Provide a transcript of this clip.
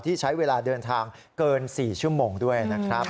ที่ใช้เวลาเดินทางเกิน๔ชั่วโมงด้วยนะครับ